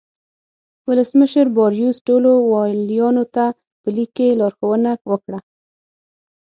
ولسمشر باریوس ټولو والیانو ته په لیک کې لارښوونه وکړه.